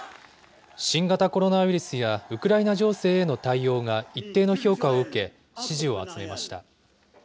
新型コロナウイルスやウクライナ情勢への対応が一定の評価を受け、支持を集めました。